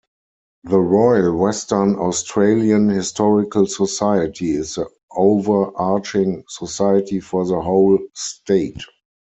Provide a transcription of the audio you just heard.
The Royal Western Australian Historical Society is the over-arching society for the whole state.